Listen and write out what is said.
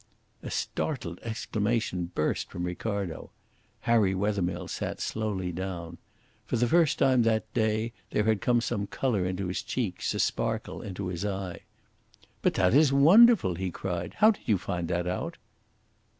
A startled exclamation burst from Ricardo. Harry Wethermill sat slowly down. For the first time that day there had come some colour into his cheeks, a sparkle into his eye. "But that is wonderful!" he cried. "How did you find that out?"